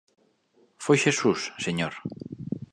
Foi Xesús, señor.